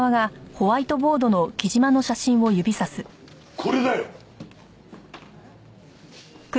これだよ！